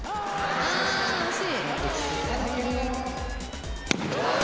ああ惜しい。